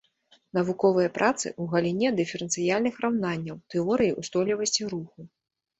Навуковыя працы ў галіне дыферэнцыяльных раўнанняў, тэорыі ўстойлівасці руху.